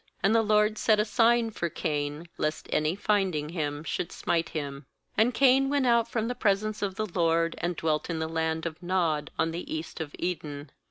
And the LORD set a sign for Cain, lest any finding him, should smite him. 16And Cain went out from the pres ence of the LORD, and dwelt in the land of aNod, on the east of Eden.